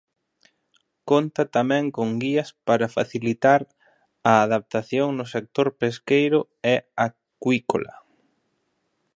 Conta tamén con guías para facilitar a adaptación no sector pesqueiro e acuícola.